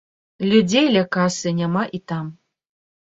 Людзей ля касы няма і там.